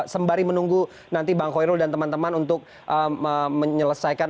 sembari menunggu nanti bang khoirul dan teman teman untuk menyelesaikan